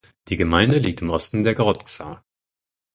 Die Gemeinde liegt im Osten der Garrotxa.